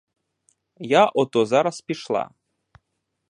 Я ото зараз пішла.